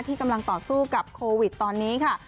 ที่กำลังต่อสู้กับโควิดตอนนี้ค่ะ